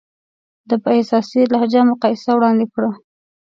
ده په احساساتي لهجه مقایسه وړاندې کړه.